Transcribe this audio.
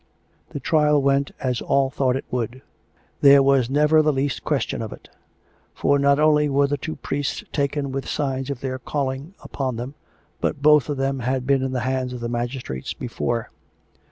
" The trial went as all thought it would. There was never the least question of it; for not only were the two priests taken with signs of their calling upon them, but both of them had been in the hands of the magistrates be fore.